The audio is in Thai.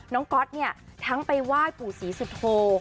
ก๊อตเนี่ยทั้งไปไหว้ปู่ศรีสุโธ